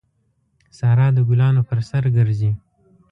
سارا د ګلانو پر سر ګرځي.